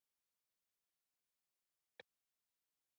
آیا کاناډا د کانونو نندارتون نلري؟